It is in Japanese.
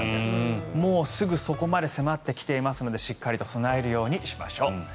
もうすぐそこまで迫っていますのでしっかりと備えるようにしましょう。